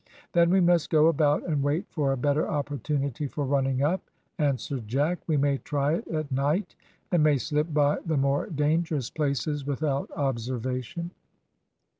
"Then we must go about and wait for a better opportunity for running up," answered Jack. "We may try it at night and may slip by the more dangerous places without observation."